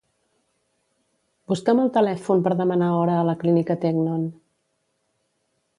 Busca'm el telèfon per demanar hora a la Clínica Teknon.